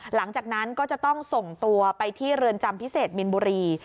หลังจากนั้นก็จะต้องส่งตัวไปที่เรือนจำพิเศษมินบุรี